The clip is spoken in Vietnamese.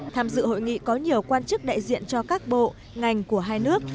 tham dự hội nghị có nhiều quan chức đại diện cho các bộ ngành của hai nước